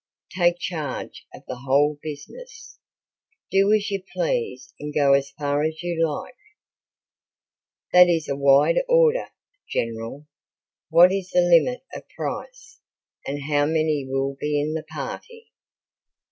"Take charge of the whole business, do as you please and go as far as you like." "That is a wide order, General. What is the limit of price, and how many will be in the party?"